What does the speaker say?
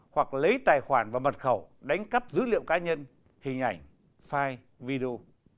hoặc lấy tài khoản và mật khẩu đánh cắp dữ liệu cá nhân hình ảnh file video